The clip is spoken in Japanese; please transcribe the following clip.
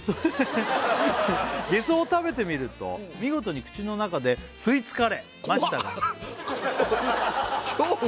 ハハハげそを食べてみると見事に口の中で吸い付かれましたが怖っ！